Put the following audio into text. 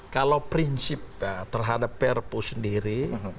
kalau prinsip terhadap perpu sendiri